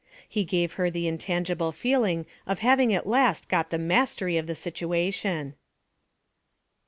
He gave her the intangible feeling of having at last got the mastery of the situation.